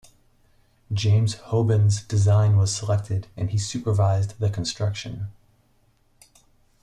James Hoban's design was selected, and he supervised the construction.